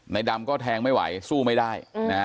ดำก็แทงไม่ไหวสู้ไม่ได้